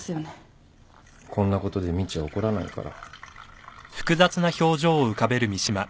こんなことでみちは怒らないから。